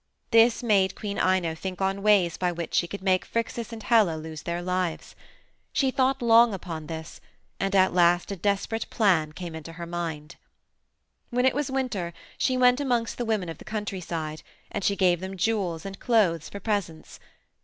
"This made Queen Ino think on ways by which she could make Phrixus and Helle lose their lives. She thought long upon this, and at last a desperate plan came into her mind. "When it was winter she went amongst the women of the countryside, and she gave them jewels and clothes for presents.